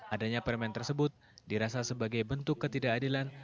adanya permen tersebut dirasa sebagai bentuk ketidakadilan